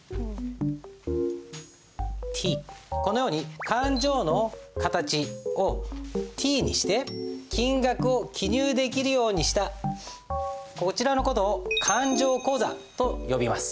このように勘定の形をＴにして金額を記入できるようにしたこちらの事を勘定口座と呼びます。